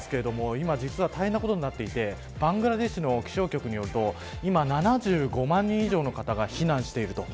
今、実は大変なことになっていてバングラデシュの気象局によると今７５万人以上の方が避難していると。